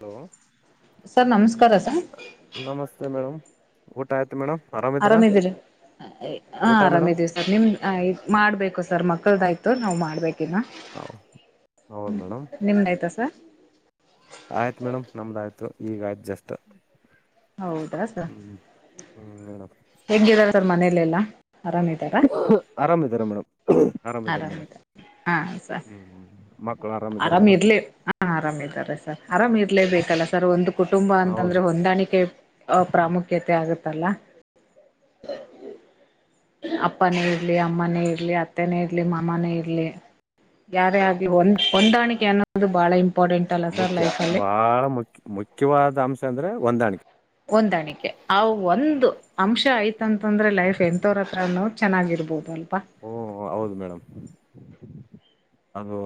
Hello sir ನಮಸ್ಕಾರ sir ನಮಸ್ತೆ ಮೇಡ್. ಊಟಯತು ಮೇಡಮ್? ಆರಾಮಿದೀರಾ ಆರಾಮ್ಿದೀರಿ ಹ ಊಟ ಮೇಡಮ್ ಆರಾಮ್ಿದೀವಿ ಸರ್ ನಿಮ ಮಾಡ್ಬೇಕು ಸರ್. ಮಕ್ಕಲ್ದಾಯ್ತು ನಾವ್ ಮಾಡ್ಬೇಕಿನ ಹೌದ್ ನಿಮ್ದಾಯ್ತಾ ಸರ್ ಆಯ್ತ್ು ಮೇಡಮ್ ನಮ್ದ ಆಯ್ತು ಈಗ ಆಯ್ತು ಜಸ್ಟ್. ಹೌದಾ ಸರ ಹ್ಮ್ ಹ್ಮ್ ಮೇಡ ಹೆೇಂಗಗಾರ ಸರ್ ಮನೆಯಲ್ಲೆಲ್ಲಾ? ಆರಾಮ್ಇರೆ ಮೇಡಮ್ ಆರಾಮ್ಇರೆ ಮೇಡಮ್ ಆರಾಮಿದ ಹಾ ಸ ಹ್ಮ್ ಹ್ಮ್ ಮಕ್ಕಳು ಆರಾಮಿದಾರ ಆರಾಮ್ ಮೇಡಮ್ ಇರ್ಲಿ ಹ ಆರಾಮ ಇದಾರೆ ಸರ್ ಆರಾಮ್ ಇರ್ಲೇಬೇಕಲ್ಲ ಸರ್ ಒಂದು ಕುಟುಂಬ ಹೌದು ಅಂತಂದ್ರೆ ಹೊಂದಾಣಿಕೆ ಆ ಪ್ರಾಮುಖ್ಯತೆ ಆಗುತ್ತಲ್ಲ. ಅಪ್ಪನೇ ಇರ್ಲಿ ಅಮ್ಮನೇ ಇರ್ಲಿ ಅತ್ತನೇ ಇರ್ಲಿ ಮಾಮನೇ ಇರ್ಲಿ ಯಾರೇ ಆಗಿ ಒಂದ್ ಹೊಂದಾಣಿಕೆ ಅನ್ನೋದು ಬಾಳ ಇಂಪಾ ಮುಖ್ಯ ಬಹಳ ಮುಖ್ಯ ಮುಖ್ಯವಾದ ಅಂಶ ಅಂದ್ರೆ ಹೊಂದಾಣಿಕೆ. ಹೊಂದಾಣಿಕೆ ಆ ಹ್ಮ ಒಂದು ಅಂಶ ಆಯ್ತು. ಅಂತಂದ್ರೆ ಲೈಫ್ ಎಂಂತವ್ರ ಹತ್ರನ್ನೋ ಚೆನ್ನಾಗಿರ್ಬಹುದು ಅಲ್ಲ. ಹಓ ಹೌದು ಮೇಡಮ್. ಅದು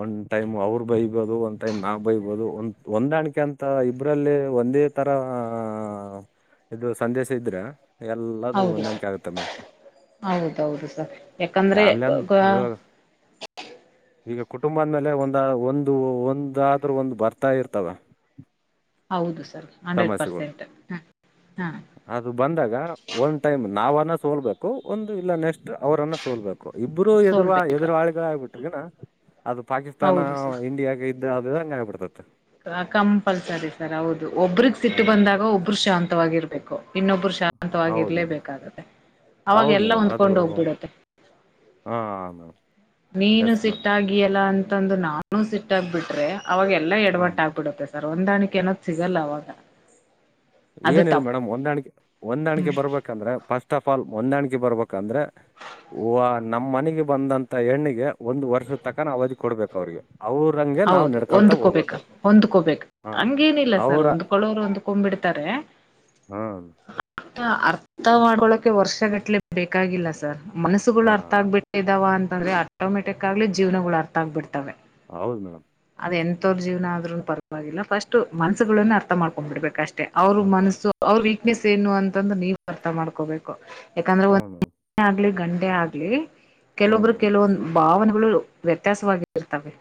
ಒಂದ್ ಟೈಮ್ ಅವ್ರ ಬೈಬೋದು ಒ್ ಟೈಮ್ ನಾವ ಬೈಬೋದು ಒ ಹೊಂದಾಣಿಕೆ ಅಂತ ಇಬರಲ್ಲಿ ಒಂದೇ ತರ ಆ ಇದು ಸಂದೇಶ ಇದ್ರೆ ಎಲ್ಲದುೂ ಸರ್ ಹೊಂದಾಣಿಕೆ ಆಗುತ್ತೆ ಮೇಡಮ್ ಹೌದು ಸರ್ ಯಾಕಂದ್ರೆ, ಫ್ಯಾಮಿಲಿ ಅಂದ ಇವಾಗ ಈಗ ಕುಟುಂಬದ್ಮೇಲೆ ಒಂದ ಒಂದು ಒಂದಾದ್ರೂ ಒಂದು್ ಬರ್ತಾ ಇರ್ತವ ಹೌದು ಸರ್ ಹಂಡ್ರೆಡ್ ಸಮಸ್ಯೆಗಳು ಪರ್ಸೆಂಟ್ ಹ ಹಾ ಅದು ಬಂದಾಗ ಒಂದು ಟೈಮ್ ನಾವ ಸೋಲ್ಬೇಕು ಒಂದು ಇಲ್ಲ ನೆಕ್ಸ್ಟ್ ಅವರನ್ನ ಸೋಲ್ಬೇಕು ಇಬ್ಬರು ಎದು ಸೋಲ್ಬೇಕು ಎದುರುಾಳಿಗಳಾಗಗ್ಬಿಟ್ರಗನಾ ಅದು ಪಾಕಿಸ್ತಾನ ಹೌದು ಸರ್ ಇಂಡಿಯಾಾಗ ಇದ್ದ ಅದು ಹಂಗ ಆಗಬಿಡ್ತ. ಕಂಪಲ್ಸರಿ ಸರ್ ಹೌದು ಒಬ್ರಗ್ ಹಾ ಸಿಟ್ಟು ಬಂದಾಗ ಒಬರು ಶಾಂತವಾಗಿರ್ಬೇಕು. ಇನ್ನೊಬ್ಬರು ಶಾಂತವಾಗಿ ಹೌದ್ ಮೇಡಮ್ ಇರ್ಲೇಬೇಕಾಗತ್ತೆ ಅವಾಗ ಹೌದ್ ಎಲ್ಲಾ ಮೇಡಮ್ ಹೊಂದ್ಕೊಂಡ್ ಅದು ಹೋಗ್ಬಿಡತ್ತೆ. ಹಾ ಹ ನೀನು ಸಿಟ್ಟಾಗಿಯಲ್ಲ ಅಂತಂದು ನಾನು ಸಿಟ್ಟಾಗಬಿಟ್ರೆ ಅವಾಗೆಲ್ಲಾ ಹಾ ಎಡಮಟ್ಟ ಆಗ್ಬಿಡುತ್ತೆ ಸರ್ ಹೊಂದಾಣಿಕೆ ಏನದ್ ಸಿಗಲ್ಲ ಅವಾಗ. ಅದು ಏನಿಲ್ಲ ತಪ್ಪು ಮೇಡಮ್ ಒಂದಾಣಿಕೆ ಒಂದಾಣಿಕೆ ಬರ್ಬೇಕಂದ್ರೆ ಫಸ್ಟ್ ಆಫ [unintelligible] ಪಫಾಲ್ ಹೊಂದಾಣಿಕೆ ಬರ್ಬೇಕಂದ್ರೆ ನಮ್ಮ್ ಮನೆಗೆ ಬಂದಂತ ಎಣ್ಣಿಗೆ ಒಂದ್ ವರ್ಷದ ತಕನ ಅವಧಿ ಕೊಡ್ಬೇಕು ಅವ್ರಿಗೆ ಅವ್ರಂಗೆ ನಾವು ಹೌದು ನಡ್ಕೊಂತ ಹೊಂದ್ದ್ಕೋಬೇಕ ಹೋಗ್ಬೇಕು ಹೊಂದ್ಕೋಬೇಕ ಹಾ ಹಂಗೇನಿಲ್ಲ ಸರ್ ಅವರ ಹೊಂಡ್ಕೊಳೋರು ಹೊಂದ್ದ್ಕೊಡ್ತಾರೆ ಹ್ಮ್ ಅರ್ಥ ಮಾಡ್ಕೊಳಕೆ ವರ್ಷ ಗಟ್ಲೆ ಬೇಕಾಗಿಲ್ಲ ಸರ್ ಮನಸ್ಸುಗಳು ಹಾ ಅರ್ಥ ಆಗ್ಬ ಬಿಟ್ಟಿದಾವ ಅಂತಂದ್ರೆ ಆಟೋಮೆಟಿಕ್ ಆಗ್ಲಿ ಜೀವನಗಳು ಅರ್ಥ ಆಗ್ಬಿಡ್ತವೆ ಹೌದು ಮೇಡಮ್ [unintelligible] ಜೀವನ ಆದ್ರೂ ಪರವಾಗಿಲ್ಲ ಫಸ್ಟ್ ಮನ್ಸಗಳನ್ನ ಅರ್ಥ ಮಾಡ್ಕೊಂಡ್ ಬಿಡ್ಬೇಕು ಅಷ್ಟು ಅವ್ರ ಹಾ ಮನಸ್ಸು ಅವ್ರ ವೀಕ್ನೆಸ್ ಏನು ಅಂತಂದು ನೀವು ಅರ್ಥ ಮಾಡ್ಕೋಬೇಕು ಯಾಕಂದ್ರೆ ಒ ಹ್ಞೂ ಮೇಡಮ್ [unintelligible] ಆಗ್ಲಿ ಗಂಡೇ ಆಗ್ಲಿ ಹ್ಞೂ ಕೆಲೊಬ್ರು ಮೇಡಮ್ ಕೆಲವೊಂದು ಭಾವನೆಗಳು ವ್ಯತ್ಯಾಸವಾಗಿ ಇರ್ತವೆ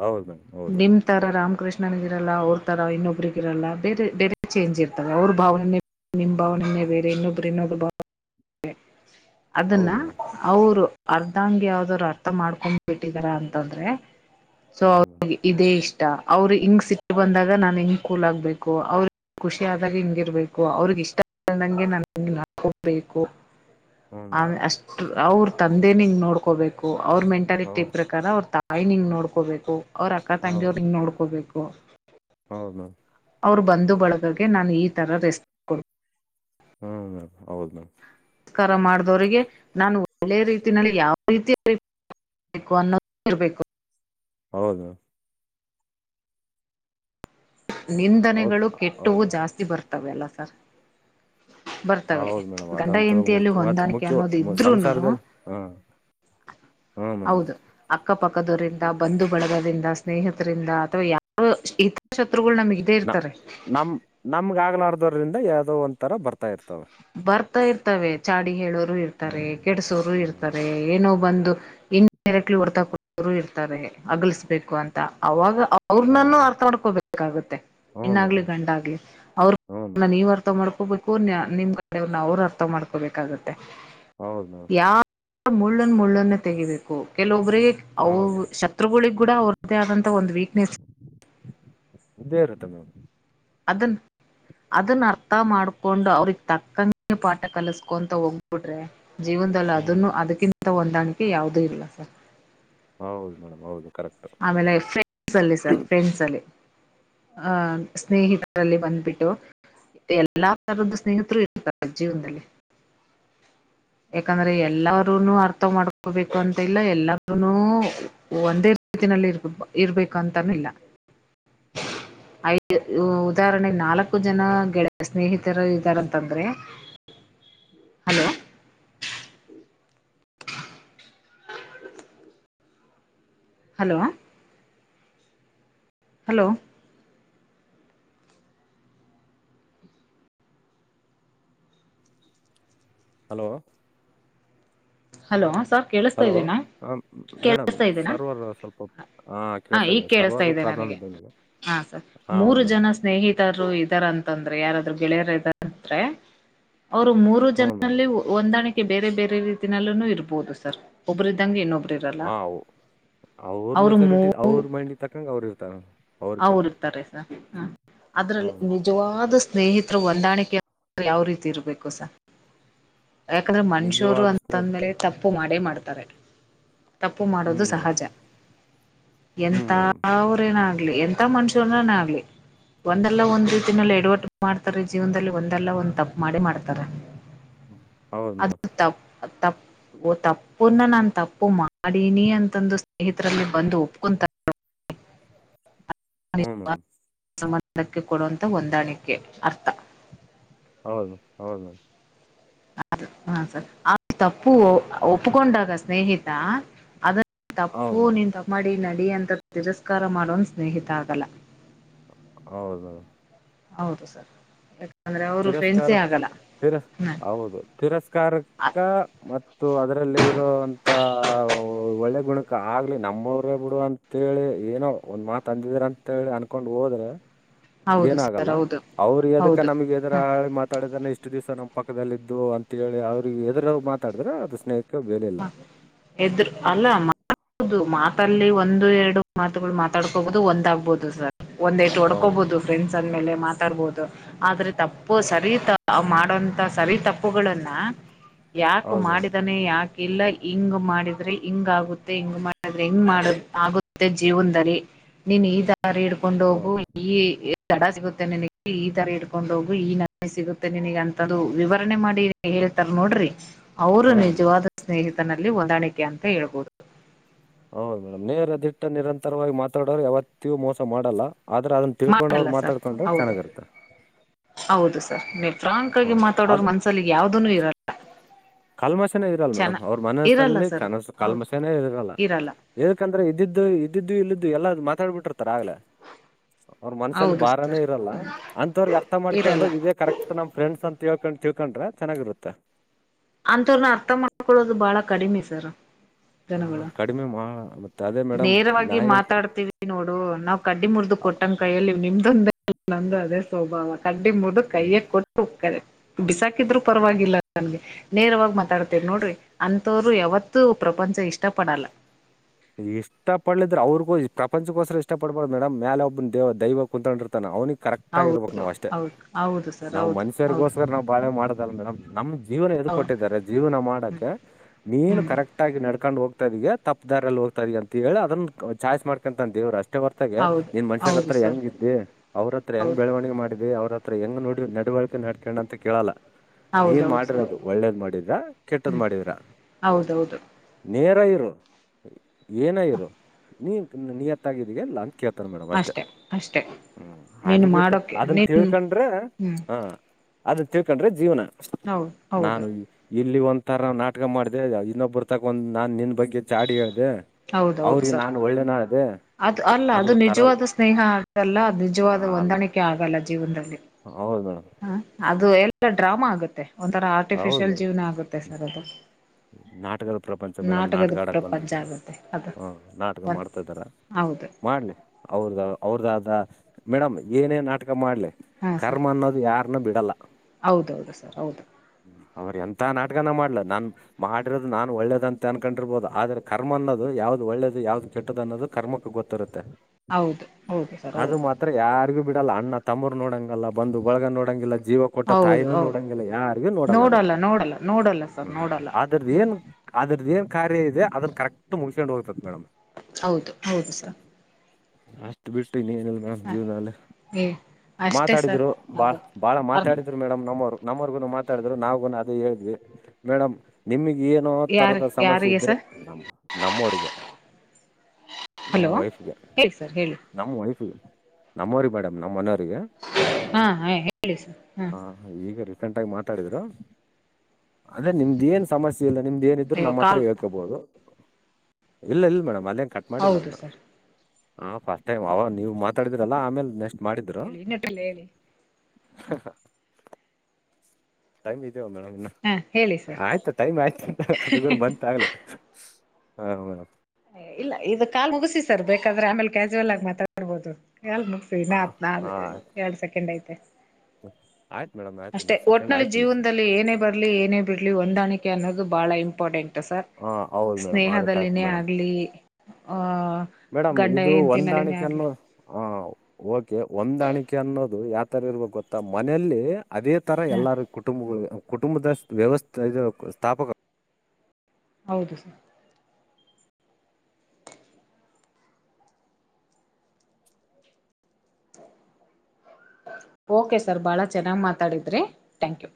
ಹೌದು ಮೇಡಮ್ [unintelligible] ಹೌದು ನಿಮ್ ತರ ರಾಮಕೃಷ್ಣ ನನಗಿರಲ್ಲ ಅವ್ರ ತರ ಇನ್ನೊಬ್ರಗ ಇರಲ್ಲ ಬೇರೆ ಬೇರೆ ಚೇಂಜ್ ಇರ್ತದೆ ಅವ್ರ ಭಾವನೆ ನಿಮ್ಮ ಭಾವನನ ಬೇರೆ ಇನ್ನೊಬ್ರು ಇನ್ನೊಬ್ರೆ [unintelligible] ಬಾವ ಅದನ್ನ ಹೌದು ಮೇಡಮ್ ಅವರು ಅರ್ಧಾಂಗ ಯಾವುದಾದ್ರ ಅರ್ಥ ಮಾಡ್ಕೊಂಡ್ ಬಿಟ್ಟಿದಾರ ಅಂತಂದ್ರೆ ಸೊ ಹ್ಞೂ ಅವ್ರ ಇದೇ ಇಷ್ಟ ಅವ್ರ ಹಿಂಗ್ ಸಿಟ್ಟಿ ಬಂದಾಗ ನಾನ್ ಹಿಂಗ್ ಕೂಲ್ ಆಗ್ಬೇಕು ಅವ್ರ ಖುಷಿಾದಾಗ ಹಿಂಗಿರ್ಬೇಕು ಅವ್ರಗ ಇಷ್ಟಂದಂಗೆ [unintelligible] ನಾನು ಹಿಂಗಗೆ ನಡ್ಕೊಬೇಕು ಮೇಡಮ್, ಹ್ಞೂ ಆ ಮೇಡಮ್ ಅಷ್ಟ ಅವ್ರ ತಂದೆ ನೋಡ್ಕೋಬೇಕು ಅವ್ರ ಮೆಂಟಾಲಿಟಿ ಹೌದು ಪ್ರಾ ಕಾರ ಅವ್ರ ತ [unintelligible] [unintelligible] ಹಿಂಗ್ ನೋಡ್ಕೋಬೇಕು ಅವ್ರ ಅಕ್ಕ ತಂಗಿಯ ಅವ್ರ ಹೌದು ಹಿಂಗ್ ನೋಡ್ಕೋಬೇಕು ಹೌದು ಅವ್ರು ಬಂದು ಬಳಗಕೆ ನಾನು ಈ ಥರ ರೆಸ್ಪ [unintelligible] ಕೊಡ್ [unintelligible] ಹ್ಮ್ [unintelligible] ಹೌದ್ ಮ್ಯಾಮ್ [unintelligible] [unintelligible] ನಸ್ಕಾರ ಮಾಡ್ದವರಿಗೆ ನಾನು ಒಳ್ಳೆ ರೀತಿನಲ್ಲಿ [unintelligible] ಯಾವ ರೀತಿ ಬೇಕು ಅನ್ನೋದು ಇರ್ಬೇಕು ಹೌದು ಹೌದು ನಿಂದನೆಗಳು ಕೆಟ್ಟವು ಹೌದು ಜಾಸ್ತಿ ಬರ್ತವೆ ಅಲ್ಲ ಸರ್ ಬರ್ತವೆ ಹೌದು ಮೇಡಮ್ ಗಂಡ ಅದಂತ ಹೆಂಡತಿಯಲ್ಲಿ ಮುಖ್ಯ ಅ [unintelligible] ಹೊಂದಾಣಿಕೆ ಮುಖ್ಯ ಅನ್ನೋದು ಇದ್ರುನು ಸಂಸಾರದಲ್ಲ ಹ [unintelligible] ಹಾ ಮೇಡಮ್ ಅಕ್ಕ ಪಕ್ಕದವರಿಂದ ಬಂದು ಬಳಗೋದ್ರಿಂದ ಸ್ನೇಹಿತರಿಂದ ಅಥವಾ ಯಾರಿತ [unintelligible] [unintelligible] ಹಗಳು ನಮಗೇ ಇರ್ತಾರೆ [unintelligible] ದ ಯಾವದೋ ಒಂದ [unintelligible] ತರ ಬರ್ತಾ ಇರ್ತವೆ ಬರ್ತಾ ಇರ್ತವೆ ಚಾಡಿ ಹೇಳೋರು ಹ್ಞೂ ಇರ್ತಾರೆ ಕೆಡಸೋರು ಹ್ಞೂ ಇರ್ತಾರೆ ಏನೋ ಬಂದು ಇನ್ ಡೈರೆಕ್ಟ್ಲಿ ಹೊರ್ತಾರು ಇರ್ತಾರೆ ಅಗಲಿಸಬೇಕು ಅಂತ ಅವಾಗ ಅವ್ರನ್ನಾನ ಹೌದು ಅರ್ಥ ಮಾಡಡ್ಕೋಬೇಕಾಗುತ್ತೆ ಹ್ಞೂ ಹೆಣಗಲೀ ಮೇಡಮ್ ಗಂಡಾಗ್ಲಿ ಅವರು ಹ್ಞೂ ನನ್ನ ಮೇಡಮ್ ನೀವ್ ಅರ್ಥ ಮಾಡ್ಕೋಬೇಕು ನಿಮ್ ಕಡೆನ್ನ ಅವ್ರು ಅರ್ಥ ಮಾಡ್ಕೋಬೇಕಾಗತ್ತೆ ಹೌದು ಮೇಡಂ ಯಾವ ಮುಳ್ಳನ್ ಮುಳ್ಳನ್ನ ತೆಗಿಬೇಕು ಕೆಲವೊಬ್ರ ಅ ಹೌದು ಶತ್ರುಗಳಗ್ ಕೂಡ ಅವ್ರದ್ದೇ ಆದಂತ ಒಂದ್ ವೀಕ್ನೆಸ್ ಇದೇ ಇರುತೆ ಮೇಡಂ ಅದನ್ [unintelligible] ಅದನ್ನ ಅರ್ಥ ಮಾಡ್ಕೊಂಡು ಅವ್ರಿಗೆ ತಕ್ಕಂಗ ಪಾಠ ಕಲಸ್ಕೊಂತ ಹೋಗ್ಬಿಡ್ರೆ ಜೀವನದಲ್ಲಿ ಹ್ಞೂ ಅದನ್ನು ಅದಕ್ಕಿಂತ ಹೊಂದಾಣಿಕೆ ಯಾವದೂ ಇಲ್ಲ ಸರ್ ಹೌದು ಮೇಡಮ್ ಹೌದು ಕರೆಕ್ಟು ಆಮೇಲೆ ಫ್ರೆಸ್ [unintelligible] ಅಲ್ಲಿ ಸರ್ ಫ್ರೆಂಡ್ಸ್ ಅಲ್ಲಿ ಅಹ ಸ್ನೇಹಿತರಲ್ಲಿ ಬಂದ್ಬಿಟ್ಟು ಎಲ್ಲಾ ತರದ ಸ್ನೇಹಿತರು ಇರ್ತಾರೆ ಜೀವನದಲ್ಲಿ ಹ [unintelligible] [inaudible] ಯಾಕಂದ್ರೆ ಎಲ್ಲ್ರೂನು ಅರ್ಥ ಮಾಡ್ಕೊಬೇಕು ಅಂತ ಇಲ್ಲ ಎಲ್ಲ್ರೂನು ಒಂದೇ [unintelligible] [unintelligible] ರೀತಿನಲ್ಲಿ ಇರ್ಬೇಕು ಅಂತನಿಲ್ಲ ಹ [unintelligible] [inaudible] ಐದು ಉದಾಹರಣೆ ನಾಲ್ಕು ಜನ ಗೆಳ ಸ್ನೇಹಿತರು ಇದ್ದಾರಂತಂದ್ರೆ ಹಲೋ ಹ hello hello hello hello sir ಕೇಳಿಸ್ತಾ ಹಲೋ ಇದ್ದೇನಾ ಹ ಮೇಡಮ್ ಕೇಳಿಸ್ತಾ ಇದ್ದೇನಾ ಸರ್ವರ್ ಸ್ವಲ್ಪ ಹ ಕೆಲಸ ಇದೆ ಸರ್ವರ್ ್ದ ಹ ಸರ್ ಮೂರು ಜನ ಸ್ನೇಹಿತರು ಇದರ ಅಂತಂದ್ರೆ ಯಾರಾದ್ರು ಗೆಳೆಯರಂದೆ ಅವರು ಮೂರು ಹ್ಞೂ ಮೇಡಮ್ ಜನಲ್ಲಿ ಹೊಂದಾಣಿಕೆ ಬೇರೆ ಬೇರೆ ರೀತಿ ಲ್ಲ ಇರ್ಬಹುದು ಸರ್ ಒಬ್ಬ್ರ ಹ ಅವ್ರ ಅವರು ಮೂ ಮೆಚೋಾರಿಟಿ ಅವ್ರ ಮೈಂಡಿಗೆ ತಕ್ಕ ಅವರು ಇರ್ತಾರ ಅವರು ಇರ್ತಾರೆ ಸರ್ ಹ ಅದ್ರಲ್ಲಿ ಹ್ಞೂ ನಿಜವಾದ ಸ್ನೇಹಿತರು ಹೊಂದಾಣಿಕೆ ಯಾವ ರೀತಿ ಇರಬೇಕು ಸ ಯಾಕಂದ್ರೆ ಮನ್ಷೂರು ನಿಜವಾದ ಸ್ನೇಹ ಅಂತಂದ್ಮೇಲೆ ತಪ್ಪು ಮಾಡೇ ಮಾಡ್ತಾರೆ ತಪ್ಪು ಹ್ಮ್ ಮಾಡೋದು ಮೇಡಮ್ ಸಹಜ ಹ್ಮ್ ಮೇಡಮ್ ಎಂತವ್ರೇನ ಎಂತ ಮನುಷ್ಯನ ನ ಆಲಿ ಒಂದೆಲ್ಲ ಒಂದ್ ರೀತಿನಲ್ಲ ಎಡವಟು ಮಾಡ್ತಾರೆ ಜೀವನದಲ್ಲಿ ಒಂದೆಲ್ಲ ಒಂದ್ ತಪ್ಪ ಮಾಡಿ ಮಾಡ್ತಾರೆ ಹೌದು ಮೇಡಮ್ ತ್ತಪ್ಪ ಓ ತಪ್ಪನ್ನ ನಾ ತಪ್ಪು ಮಾಡಿನಿ ಅಂತಂದು ಸ್ನೇಹಿತರಲ್ಲಿ ಬಂದು ಒಪ್ಕೊ ಹ ಹ್ಮನ ಸಂಧಾನಕ್ಕೆ ಕೊಡುವಂಥ ಹೊಂದಾಣಿಕೆ ಅರ್ಥ ಹೌದು ಹೌದು ಹ ಸ ತಪ್ಪು ಒಪ್ಕೊಂಡಾಗ ಸ್ನೇಹಿತ ಅದನ್ನು ಹೌದು ತಪ್ಪೂ ಮೇಡಮ್ ನಿ ತಮ್ಮಾಡಿ ನಡಿ ಅಂತ ತಿರಸ್ಕಾರ ಮಾಡೋನ್ ಸ್ನೇಹಿತ ಆಗಲ್ಲ ಹೌದು ಹೌದು ಸರ್ ಯಾಕಂದ್ರೆ ಅವರು ತಿರಸ್ಕಾರ ಫ್ರೆಂಡ್ಸೇ ಆಗಲ್ಲ ತಿ ಹ್ಮ್ ಹೌದು ತಿರಸ್ಕಾರಕ ಮತ್ತು ಅದರಲ್ಲಿ ರೋ ಇತ್ತ ಒಳ್ಳೆ ಗುಣಕ ಆಗ್ಲಿ ನಮ್ಮವರೇ ಬಿಡು ಅಂತೇಳಿ ಏನೋ ಒಂದ್ ಮಾತ ಅಂದಿದ್ರ ಅಂತೇಳಿ ಅನ್ಕೊಂಡ್ ಹೋದ್ರೆ ಹೌದು ಸರ್ ಏನಾಗಲ್ಲ ಹೌದು ಅವ್ರು ಎದಕ್ಕೆ ಹೌದು ನಮ್ಗೆ ಎದರ ಹ ಹಾಳಿ ಮಾತಾಡಿದ್ರೆ ಇಷ್ಟು ದಿವ್ಸ ನಮ ಪಕ್ಕದಲ್ಲಿದ್ದು ಅಂತೇಳಿ ಅವ್ರಿಗೆ ಎದ್ರ ಮಾತಾಡಿದ್ರ ಅದು ಸ್ನೇಹಿತ ಹ ಎದರು ಅಲ್ಲ ಅಲ್ಲಿ ಒಂದು ಎರಡು ಮಾತುಗಳು ಮಾತಾಡ್ಕೋಬಹುದು ಒಂದ್ ಆಗ್ಬಹುದು ಸರ್ ಒಂದ್ ಟು ಹೌದು ಹೊಡ್ಕೋಬಹುದು ಫ್ರೆಂಡ್ಸ್ ಅಂದ ಮೇಲೆ ಮಾ ತರ್ಬೋದು ಆದ್ರೆ ತಪ್ಪು ಸರಿ ತ ಮಾಡೋಂತ ಸರಿ ತಪ್ಪುಗಳನ್ನ ಯಾಕು ಹೌದು ಮೇಡಮ್ ಮಾಡಿದಾನೆ ಯಾಕೆ ಇಲ್ಲ ಹಿಂಗ್ ಮಾಡಿದ್ರೆ ಹಿಂಗ ಆಗುತ್ತೆ ಹಿಂಗ್ ಮಾಡಿದ್ರೆ ಹಿಂಗ್ ಮಾಡ ಆಗುತ್ತೆ ಜೀವನದಲ್ಲಿ ನೀನ್ ಈ ದಾರಿ ಹಿಡ್ಕೊಂಡ ಹೋಗು ಈ ತಡ ಸಿಗುತ್ತೆ ನಿನಗೆ ಈ ತರ ಇಡ್ಕೊಂಡ ಹೋಗಿ ಈ ನಿ ಸಿಗುತ್ತೆ ನಿನಗೆ ಅಂತು ವಿವರಣೆ ಮಾಡಿ ತ ನೋಡ್ರಿ ಅವರು ಹ್ಮ್ ಮೇಡಮ್ ನಿಜವಾದ ಸ್ನೇಹಿತನಲ್ಲಿ ಹೊಂದಾಣಿಕೆ ಅಂತ ಹೇಳ್ಬಹುದು ಹೌದದು ಮೇಡಮ್ ನೇರ ದಿಟ್ಟ ನಿರಂತರವಾಗಿ ಮಾತಾಡೋ್ರರು ಯಾವತ್ತೂ ಮೋಸ ಮಾಡಲ್ಲ ಆದ್ರ ಅದನ್ನ ತಿಳ್ಕೊಂಡ ಮಾಡಲ್ಲ ಅವ್ರು ಸರ್ ಮಾತಾಡ್ಕೊಂಡ್ರೆ ಹೌದು ಚೆನ್ನಾಗಿರುತ್ತ ಹೌದು ಸರ್ ನಿರ್ ಫಾಂಕ್ ಆಗಿ ಮಾತಾಡೋರು ಮನ್ಸಲ್ಲಿ ಯಾವ್ದನುೂ ಇರಲ್ಲ ಕಲ್ಮಶೆನೇ ಇರಲ್ಲ ಚೆನ್ನ ಮೇಡಮ್ ಅವ್ರ ಇರಲ್ಲ ಮನಸ್ಸಲ್ಲಿ ಸರ್ ಕನಸ ಹೌದು ಕಲ್ಮಶನೇ ಇರಲ್ಲ ಯಏಕಂದ್ರೆ ಇದ್ದಿದ್ದು ಇದ್ದಿದ್ದು ಇಲ್ಲಿದ್ದು ಎಲ್ಲ ಮಾತಾಡ್ ಬಿಿಟ್ಟಿರ್ತಾರ ಆಗ್ಲ ಅವ್ರ ಮನಸಲ್ಲಿ ಹೌದು ಭಾರಾನೇ ಸರ್ ಇರಲ್ಲ ಅಂತವ್ರಿಗೆ ಅರ್ಥ ಮಾಡ್ಕೊಂಡು ಇರಲ್ಲ ಇದೇ ಕರೆಕ್ಟ್ ನಮ್ ಫ್ರೆಂಡ್ಸ್ ಅಂತ ತಿಳ್ಕೊಂಡ್ ತಿಳ್ಕೊಂಡ್ರ ಚೆನ್ನಾಗಿರುತ್ತ ಅಂಥವ್ರನ್ನ ಅರ್ಥ ಮಾಡ್ಕೊೊಳ್ಳೋದು ಬಾಳ ಕಡಿಮೆ ಸರ್ ಹಾ ಜನಗಳು ಕಡಿಮೆ ಮಾ ಮತ್ತೆ ಅದೇ ಮೇಡಮ್ ನೇರವಾಗಿ ನಾಯಿ ಮಾತಾಡ್ತೀವಿ ನೋಡು ನಾವ್ ಕಡ್ಡಿ ಮುರಿದು ಕೊಟ್ಟಂಗ ಕೈಯಲ್ಲಿ ನಿಮ್ದೊಂದ ನಂದು ಅದೇ ಸ್ವಭಾವ ಕಡ್ಡಿ ಮುಡ್ದು ಹ್ಞೂ ಕೈಯಕ್ ಕೊಟ್ಟು ಉಕ್ಕದೆ ಬಿಸಾಕಿದ್ರು ಪರವಾಗಿಲ್ಲ ನಂಗೆ ನೇರವಾಗಿ ಮಾತಾಡ್ತಿವಿ ನೋಡ್ರಿ ಅಂಥವ್ರು ಯಾವತ್ತೂ ಪ್ರಪಂಚ ಇಷ್ಟ ಪಡಲ್ಲ ಇಷ್ಟ ಪಡ್ಲಿದ್ರೆ ಅವ್ರಿಗೂ ಪ್ರಪಂಚಕ್ಕೋಸ್ಕರ ಇಷ್ಟ ಪಡ್ಬಾರ್ದ ಮೇಡಮ್ ಮೇಲೆ ಒಬ್ಬನ ದೇವ ದೈವ ಕುಂತ್ೊಂಡಿರ್ತಾನ ಅವನಿ ಕರೆಕ್ಟ್ ಆಗ ಇರ್ಬೇಕು ಹೌದು ನಾವ್ ಅಷ್ಟೇ ಹೌದು ಹೌದು ಸರ್ ನಾ್ ಹೌದು ಹೌದು ಮನುಷ್ಯರಿಗೋಸ್ಕರ ನಾ್ ಬಾಳೆ ಮಾಡದಲ್ಲ ಮೇಡಮ್ ನಮ್ ಜೀವನ ಎದು ಹೌ- ಕೊಟ್ಟಿದ್ದಾರೆ ಜೀವನ ಮಾಡಕ್ಕೆ ನೀನು ಹ್ಮ್ ಕರೆಕ್ಟ್ ಆಗಿ ನಡ್ಕೊಂಡ್ ಹೋಗ್ತಾ ಇದಗ ತಪ್ಪ ಇದಾರಲ್ಲಿ ಹೋಗ್ತಾರೆ ಅಂತ ಹೇಳಿ ಅದನ್ನ ಚಾಯ್ಸ್ ಮಾಡ್ಕೊಂತಂದೇವ್ರುಷ್ಟ ಇಷ್ಟ ಹೊರ್ತಗೆ ಹೌದು ನಿನ್ ಮನುಷ್ಯರ ಹೌದು ಹತ್ರ ಸರ್ ಹೆಂಗ ಇದ್ದಿ ಅವ್ರ ಹತ್ರ ಹೆಂಗ್ ಹೌದು ಬೆಳವಣಿಗೆ ಮಾಡಿದಿ ಅವ್ರ ಹತ್ರ ಹತ್ರ ಹೆಂಗ ನೋಡಿ ನಡವಳಿಕೆ ನಡ್ಕಣ ಅಂತ ಕೇಳಲ್ಲ ನೀನ್ ಹೌದೌದು ಸರ್ ಮಾಡಿರೋದು ಒಳ್ಳೇದ್ ಮಾಡಿದ್ರ ಕೆಟ್ಟದ್ ಹ್ಮ್ ಮಾಡಿದ್ರ ಹೌದೌದು ನೇರ ಇರು ಏನ ಇರು ನೀ ನಿಯತ್ತಾಗಿದಗ ಲಂಚ್ ಅಷ್ಟೇ ಅಷ್ಟೇ ಹ್ಮ್ ಅದು ಬಿಟ್ಟು ಅದನ್ನ ತಿಳ್ಕೊಂಡ್ರೆ ಹ್ಮ್ ಹ ಅದನ್ನ ತಿಳ್ಕೊಂಡ್ರೆ ಜೀವನ ಹೌದು ಹೌದು ನಾನು ಇ- ಇಲ್ಲಿ ಒಂಥರ ನಾಟಕ ಮಾಡಿದೆ ಇನ್ನೊ ಬರ್ತ ಒಂದ ನಾನ್ ನಿನ್ ಬಗ್ಗೆ ಚಾಡಿ ಹೇಳ ಹೌದೌದು ಅವ್ರಿ ಸರ್ ನಾನ್ ಒಳ್ಳೆನ ಅದು ಅಲ್ಲ ಅದು ನಿಜವಾದ ಸ್ನೇಹ ಆಗಲ್ಲ ಅ ಹಾ, ನಿಜವಾದ ಅಲ್ಲ ಹೊಂದಾಣಿಕೆ ಆಗಲ್ಲ ಜೀವನದಲ್ಲಿ ಹೌದು ಮೇಡಮ್ ಹ ಅದು ಎಲ್ಲ ಡ್ರಾಮಾ ಆಗುತ್ತೆ ಒಂಥರ ಆರ್ಟಿಫಿಶಿಯಲ್ ಜೀವ್ನ ಆಗುತ್ತೆ ಸರ್ ಅದು ನಾಟಗದ ಪ್ರಪಂಚ ಮೇಡಮ್ ನಾಟಕದ ನಾಟಗಾಡಕ್ ಪ್ರಪಂಚ ಬಂದಿದ್ರು ಆಗುತ್ತೆ ಅದು ಹಾ ನಾಟಕ ಒ ಮಾಡ್ತಾ ಇದ್ದಾರ ಹೌದು ಮಾಡ್ಲಿ ಅವ್ರ್ದ ಹೌದದ ಮೇಡಮ್ ಏನೇ ನಾಟಕ ಮಾಡ್ಲಿ ಹಾ ಸರ್ ಕರ್ಮ ಅನ್ನೋದು ಯಾರನ್ನ ಬಿಡಲ್ಲ ಹೌದೌದು ಸರ್ ಹೌದು ಅವ್ರ ಎಂತ ನಾಟಕನ ಮಾಡ್ಲ ನಾನ್ ಮಾಡಿರೋದು ನಾನು ಒಳ್ಳೇದ ಅಂತ ಅನ್ಕೊಂಡಿರ್ಬಹುದು ಆದ್ರೆ ಕರ್ಮ ಅನ್ನೋದು ಯಾವ್ದ್ ಒಳ್ಳೇದು ಯಾವ್ದ ಕೆಟ್ಟದ ಅನ್ನೋದು ಕರ್ಮಕ್ಕೆ ಗೊತ್ತರುತ್ತೆ ಹೌದು ಹೌದು ಸರ್ ಆದ ಹೌದು ಮಾತ್ರ ಯಾರಿಗೂ ಬಿ ಲ್ಲ ಅಣ್ಣ ತಮ್ಮರ್ ನೋಡಂಗಲ್ಲ ಬಂದು ಬಳಗ್ಗೆ ನೋಡೋಂಗಿಲ್ಲ ಜೀವ ಕೊಟ್ಟ ಹೌದು ತಾಯಿನೂ ಹೌದು ನೋಡಂಗಿಲ್ಲ ಯಾರಿಗೂ ನೋಡಲ್ಲ ಅದು ನೋಡಲ್ಲ ನೋಡಲ್ಲ ಸರ್ ಹ್ಮ್ ನೋಡಲ್ಲ ಅದ್ರದ ಏ ಅದ ಏನ್ ಕಾರ್ಯ ಇದೆ ಅದನ್ನ ಕರೆಕ್ಟ್ ಮುಳಕೊಂಡ್ ಹೋಗ್ತದೆ ಮೇಡಮ್ ಹೌದು ಹೌದು ಸರ್ ಅಷ್ಟ ಬಿಟ್ಟ ಇನ ಏನಿಲ್ಲ ನಮ ಹ ಜೀವನಲ್ಲ ಏ ಅಷ್ಟೇ ಸರ್ ಮಾತಾಡಿದ್ರು ಬಾಳ್ ಅದು ಬಾಳ ಅರ್ ಮಾತಾಡಿದ್ರು ಮೇಡಮ್ ನಮ್ಮವ್ರು ನಮ್ಮರ್ಗುನು ಮಾತಾಡಿದ್ರು ನಾವವುಗೂ ಅದು ಹೇಳ್ವಿ ಮೇಡಮ್ ನಿಮಗ್ ಏನೋ ಯಾರ ತರದ ಸಮಸ್ಯೆ ಯಾರಿಗೆ ಇದ್ರೆ ಸರ್ ನಮ ನಮ್ಮವ್ರಿಗೆ ನಮ್ ಹಲೋ ವೈಫ್ಗೆ ಹೇಳಿ ಸರ್ ಹೇಳಿ ನಮ್ ವೈಫ್ ನಮ್ಮವ್ರ ಮೇಡಮ್ ನಮ್ಮ ಮನ ಹಾ ಹ ಹೇಳಿ ಸ ಹ್ಮ ಂಟ ಮಾತಾಡಿದ್ರು ಅದೇ ನಿಮ್ದ ಏನ್ ಸಮಸ್ಯೆ ಇಲ್ಲ ನಿಮ್ ನ ಇದ್ರು ಅಯ್ಯೋ ನಮ್ಮ್ ಹತ್ರ ಕಾಲ್ ಹೇಳ್ಕೋಬಹುದು ಇಲ್ಲ ಇಲ್ಲ ಮೇಡಮ್ ಅ ಕಟ್ ಮಾಡಿಲ್ಲ ಹೌದು ಅದನ್ನ ಸರ್ ಫಸ್ಟ್ ಟೈಮ್ ಅವ ನೀವು ಮಾತಾಡಿದರಲ್ಲ ಆಮೇಲೆ ನೆಕ್ಸ್ಟ್ ಹೇಳಿ ನಟಲ್ಲ ಹೇಳಿ ಹ [unintelligible] ಟೈಮ್ ಇದ್ಯವ ಮೇಡಮ್ ಇನ್ನು ಹಾ ಹೇಳಿ ಸರ್ ಆಯ್ತು ಟೈಮ್ ಆಯ್ತುಂತ ಅಗ ಬಂತ ಆಗ್ಲ ಹಾ ಹ್ಮ ಇಲ್ಲ ಇದು ಕಾ ಮುಗಿಸಿ ಸರ್ ಬೇಕಾದ್ರೆ ಆಮೇಲೆ ಕ್ಯಾಾಜುವಲ್ ಆಗಿ ಮಾತಾಡ್ಬೋದು ಎ ಮುಗಸವಿ ನಾತ್ು ನಾು ಎರಡು ಸೆಕೆಂಡ್ ಐತೆ ಆಯ [unintelligible] ಅಷ್ಟೇ ಒಟ್ನಲ್ಲಿ ಜೀವನದಲ್ಲಿ ಏನೇ ಬರ್ಲಿ ಏನೇ ಬಿರ್ಲಿ ಹೊಂದಾಣಿಕೆ ಅನ್ನೋದು ಬಾಳ ಇ ಹ ಹೌದ ಮೇಡಮ್ ಅದು ಕರೆಕ್ಟ್ ಮೇಡಮ್ ಆಗಲಿ ಮೇಡಮ್ ಗಂಡ ಇದು ಹೆಂಡತಿನಲ್ಲಿನೇ ಹೊಂದಾಣಿಕೆ ಆಗಲಿ ಅನ್ನು ಹ ಓಕೆ ಒಂದ ಹೊಂದಾಣಿಕೆ ಅನ್ನೋದು ಯಾವ್ತರ ಇರ್ಬೇಕ್ ಗೊತ್ತಾ ಮನೆಲ್ಲಿ ಅದೇ ತರ ಹಾಂ ಎಲ್ಲಾರ ಕುಟುಂಬಗಳ್ ಕುಟುಂಬದ ವ್ಯವಸ್ಥೆ ಇದು ಸ್ಥಾಪಕ ಹೌದು ಸರ್ ಓಕೆ ಸರ್ ಬಹಳ ಚೆನ್ನಾಗ್ ಮಾತಾಡಿದ್ರಿ ಥ್ಯಾಂಕ್ ಯು.